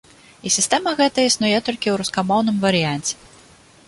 І сістэма гэта існуе толькі ў рускамоўным варыянце.